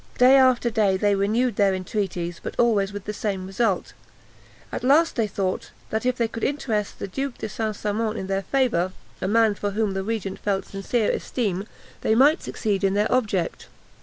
Day after day they renewed their entreaties, but always with the same result. At last they thought, that if they could interest the Duke de St. Simon in their favour a man, for whom the regent felt sincere esteem they might succeed in their object.